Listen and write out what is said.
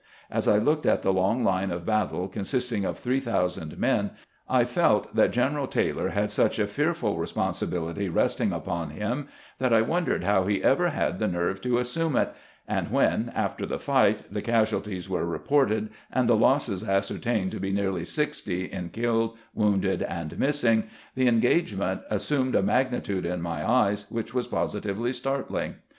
As I looked at the long line of battle, consisting of three thousand men, I felt that General Taylor had such a fearful responsibility resting upon him that I wondered how he ever had the nerve to assume it ; and when, after the fight, the casu alties were reported, and the losses ascertained to be nearly sixty in killed, wounded, and missing, the en gagement assumed a magnitude in my eyes which was positively startling.